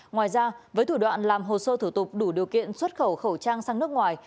ngoài ra với thủ đoạn làm hồ sơ thủ tục đủ điều kiện xuất khẩu khẩu trang sang nước ngoài